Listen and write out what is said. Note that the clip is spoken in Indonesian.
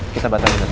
bisa batalkan tadi